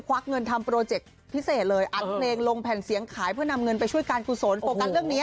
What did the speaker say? อัดเนงลงแผ่นเสียงขายเพื่อนำเงินไปช่วยการกุศลโปรกัสเรื่องเนี้ย